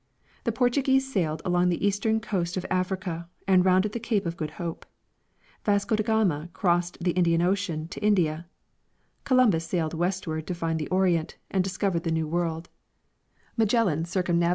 The Portuguese sailed along the eastern coast of Africa and rounded the cape of Good Hope ; Vasco de Gama crossed the Indian ocean to India ; Columbus sailed westward to find the Orient, and discovered a New World ; Magellan circumnavi ■Beginning of transoceanic Commerce.